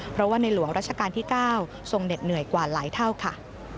เพราะว่าในหลวงราชการที่๙ทรงเหน็ดเหนื่อยกว่าหลายเท่าค่ะ